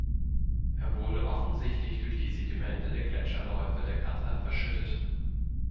Er wurde offensichtlich durch die Sedimente der Gletscherläufe der Katla verschüttet.